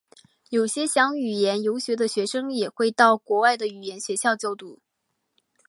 有些想语言游学的学生也会到国外的语言学校就读。